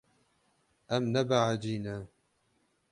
Em nebehecî ne.